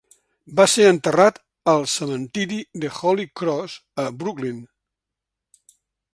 Va ser enterrat al cementiri de Holy Cross a Brooklyn.